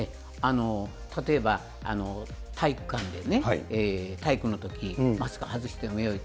例えば、体育館で体育のとき、マスク外してもよい。